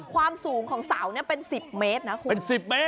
ความสูงของเสาเนี่ยเป็น๑๐เมตรนะคุณเป็น๑๐เมตร